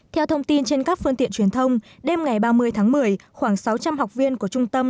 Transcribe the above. theo thông tin trên các phương tiện truyền thông đêm ngày ba mươi tháng một mươi khoảng sáu trăm linh học viên của trung tâm